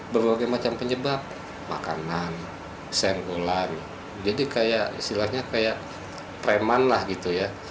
berbagai macam penyebab makanan senggolan jadi kayak istilahnya kayak preman lah gitu ya